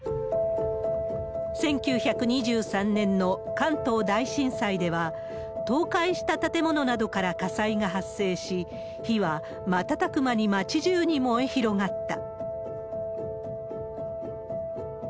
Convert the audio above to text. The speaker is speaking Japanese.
１９２３年の関東大震災では、倒壊した建物などから火災が発生し、火は瞬く間に街じゅうに燃え広がった。